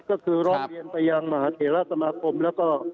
ก็คือรอบเรียนไปยังมหาเทรศมากมและก็